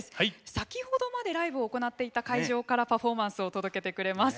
先ほどまでライブを行っていた会場からパフォーマンスを届けてくれます。